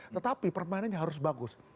tetapi permainannya harus bagus